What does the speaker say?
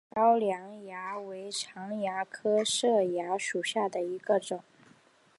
高梁蚜为常蚜科色蚜属下的一个种。